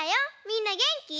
みんなげんき？